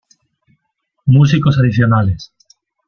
Músicos adicionales;